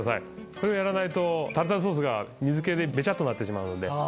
これをやらないとタルタルソースが水気でベチャっとなってしまうので。